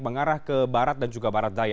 mengarah ke barat dan juga barat daya